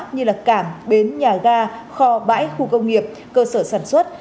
như cảng bến nhà ga kho bãi khu công nghiệp cơ sở sản xuất